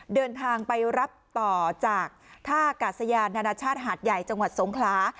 เดินทางไปรับต่อจากท่ากาศยานานาชาติหาดใหญ่จังหวัดสงขลา